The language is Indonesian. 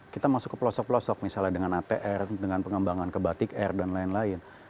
kita masuk ke pelosok pelosok misalnya dengan atr dengan pengembangan ke batik air dan lain lain